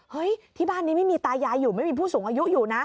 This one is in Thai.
ที่บ้านนี้ไม่มีตายายอยู่ไม่มีผู้สูงอายุอยู่นะ